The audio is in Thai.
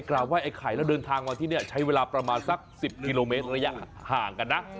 ไห้ไอ้ไข่แล้วเดินทางมาที่นี่ใช้เวลาประมาณสัก๑๐กิโลเมตรระยะห่างกันนะ